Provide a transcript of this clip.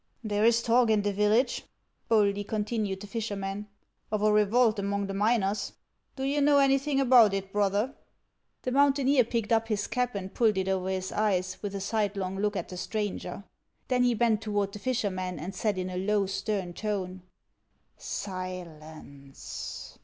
" There 's talk in the village," boldly continued the fisherman, " of a revolt among the miners. Do you know anything about it, brother ?" The mountaineer picked up his cap and pulled it over his eyes, with a sidelong look at the stranger ; then he HAXS OF ICELAND. 311 beut toward the fisherman and said in a low, stern tone :" Silence